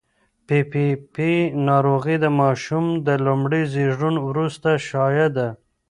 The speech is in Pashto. پي پي پي ناروغي د ماشوم د لومړي زېږون وروسته شایع ده.